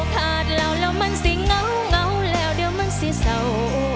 พาดเหล่าแล้วมันสิเหงาเหงาแล้วเดี๋ยวมันสิเสา